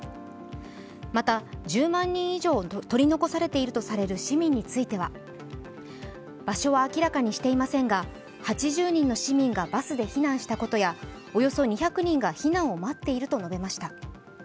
また、１０万人以上取り残されているとされる市民については場所は明らかにしていませんが８０人の市民がバスで避難したことやおよそ２００人が避難を待っていると述べました。